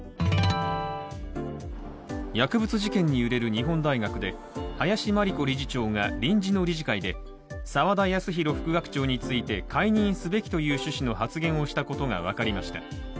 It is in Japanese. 薬物事件に揺れる日本大学で林真理子理事長が臨時の理事会で、沢田康広副学長について解任すべきという趣旨の発言をしたことが分かりました。